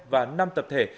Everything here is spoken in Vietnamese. và năm tập thể